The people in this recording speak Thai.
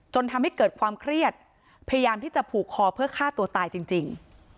ทำให้เกิดความเครียดพยายามที่จะผูกคอเพื่อฆ่าตัวตายจริง